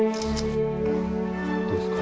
どうですか？